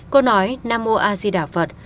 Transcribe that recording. cô nói nam ô a di đả phật